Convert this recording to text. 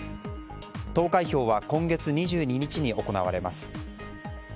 投開票は今月２２日に行われます。